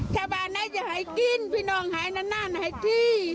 ถ้าบานนั้นจะให้กินพี่น้องให้นั่นให้ที่